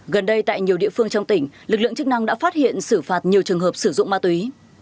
gần đây tại nhiều địa phương trong tỉnh lực lượng chức năng đã phát hiện xử phạt nhiều trường hợp sử dụng ma túy